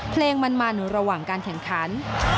เพลงมันระหว่างการแข่งขัน